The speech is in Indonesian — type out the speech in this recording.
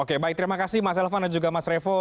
oke baik terima kasih mas elvan dan juga mas revo